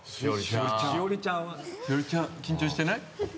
しおりちゃん緊張してない？